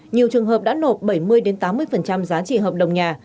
nhiều trường hợp đã nộp bảy mươi tám mươi giá trị hợp đồng nhà